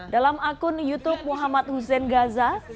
dalam akun youtube muhammad hussein gaza